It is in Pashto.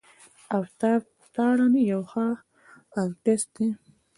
آفتاب تارڼ یو ښه آرټسټ دی.